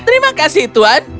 terima kasih tuan